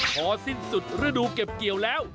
พอสิ้นสุดฤดูเก็บเกี่ยวแล้ว